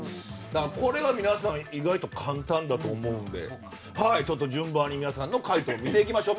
これは意外と、皆さん意外と簡単だと思うんで順番に皆さんの回答を見ていきましょう。